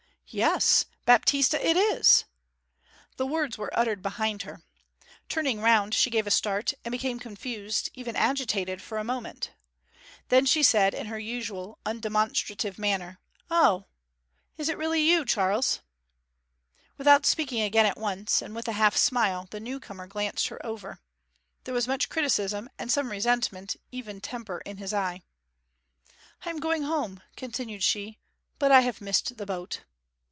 Yes, Baptista it is!' The words were uttered behind her. Turning round she gave a start, and became confused, even agitated, for a moment. Then she said in her usual undemonstrative manner, 'O is it really you, Charles?' Without speaking again at once, and with a half smile, the newcomer glanced her over. There was much criticism, and some resentment even temper in his eye. 'I am going home,' continued she. 'But I have missed the boat.'